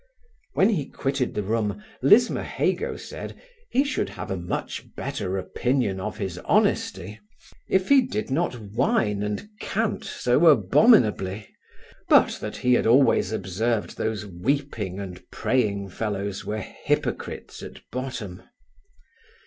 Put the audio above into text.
When he quitted the room, Lismahago said, he should have a much better opinion of his honesty, if he did not whine and cant so abominably; but that he had always observed those weeping and praying fellows were hypocrites at bottom.